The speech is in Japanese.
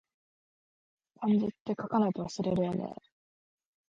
漢字って、書かないと忘れるよね